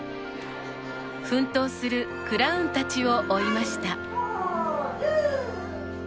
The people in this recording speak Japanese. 奮闘するクラウンたちを追いました。